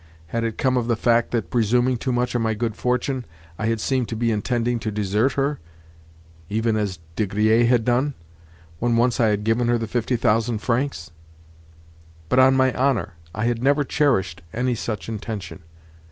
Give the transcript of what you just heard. Had it come of the fact that, presuming too much on my good fortune, I had seemed to be intending to desert her (even as De Griers had done) when once I had given her the fifty thousand francs? But, on my honour, I had never cherished any such intention.